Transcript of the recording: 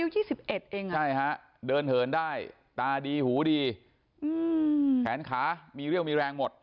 ใช่ฮะเดินเหินได้ตาดีหูดีอืมแขนขามีเรี่ยวมีแรงหมด